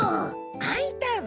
あいたわ。